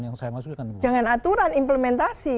yang saya maksudkan jangan aturan implementasi